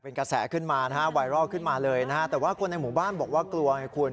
เป็นกระแสขึ้นมานะฮะไวรอลขึ้นมาเลยนะฮะแต่ว่าคนในหมู่บ้านบอกว่ากลัวไงคุณ